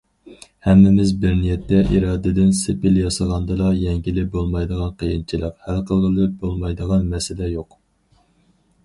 ھەممىمىز بىر نىيەتتە ئىرادىدىن سېپىل ياسىغاندىلا، يەڭگىلى بولمايدىغان قىيىنچىلىق، ھەل قىلغىلى بولمايدىغان مەسىلە يوق.